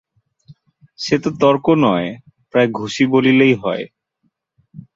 সে তো তর্ক নয়, প্রায় ঘুষি বলিলেই হয়।